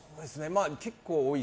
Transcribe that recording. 結構多い。